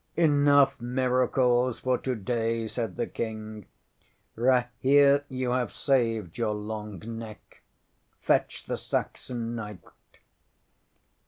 ŌĆØ ŌĆśŌĆ£Enough miracles for today, ŌĆØ said the King. ŌĆ£Rahere, you have saved your long neck. Fetch the Saxon knight.